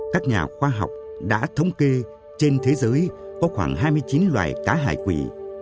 các nhà khoa học đã thống kê trên thế giới có khoảng hai mươi chín loại cá hải quỳ